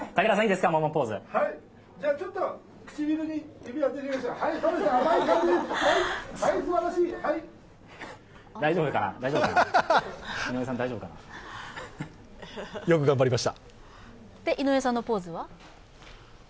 で、井上さんのポーズは？